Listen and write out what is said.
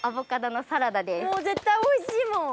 絶対おいしいもん！